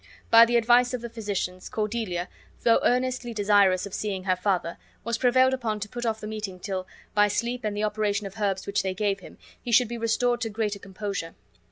By the advice of the physicians, Cordelia, though earnestly desirous of seeing her father, was prevailed upon to put off the meeting till, by sleep and the operation of herbs which they gave him, he should be restored to greater composure.